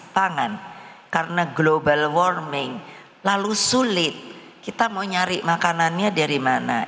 pangan karena global warming lalu sulit kita mau nyari makanannya dari mana